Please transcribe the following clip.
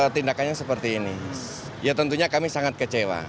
tindakannya seperti ini ya tentunya kami sangat kecewa